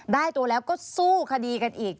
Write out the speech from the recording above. ได้ตัวแล้วก็สู้คดีกันอีก